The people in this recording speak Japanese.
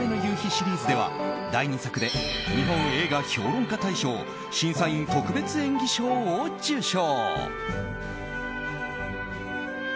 シリーズでは、第２作で日本映画評論家大賞審査員特別演技賞を受賞。